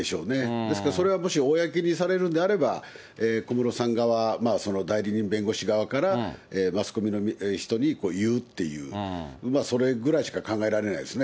ですから、もしそれを公にされるんであれば、小室さん側、その代理人弁護士側からマスコミの人に言うっていう、それぐらいしか考えられないですね。